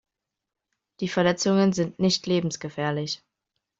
Die Verletzungen sind nicht lebensgefährlich.